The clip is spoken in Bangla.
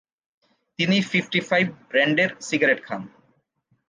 তিনি 'ফিফটি ফাইভ' ব্র্যান্ডের সিগারেট খান।